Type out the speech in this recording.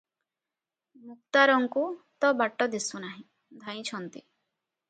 ମୁକ୍ତାରଙ୍କୁ ତ ବାଟ ଦିଶୁ ନାହିଁ, ଧାଇଁଛନ୍ତି ।